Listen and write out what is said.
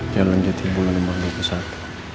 jangan lanjutkan bulan lembaga pesawat